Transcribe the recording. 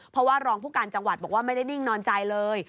เพราะว่ารองผู้การจังหวัดบอกว่าไม่ได้นิ่งนอนใจเลย